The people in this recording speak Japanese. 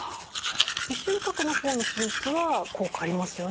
鼻中隔の方の手術は効果ありますよね？